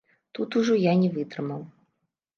Тут ужо я не вытрымаў.